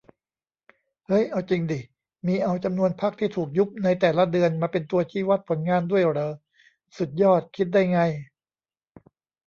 เฮ้ย เอาจิงดิ มีเอาจำนวนพรรคที่ถูกยุบในแต่ละเดือนมาเป็นตัวชี้วัดผลงานด้วยเหรอ สุดยอด คิดได้ไง